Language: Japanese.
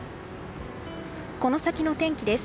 この先の天気です。